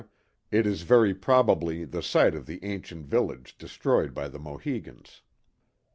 it is very probably the site of the ancient village de stroyed by the Mohicans.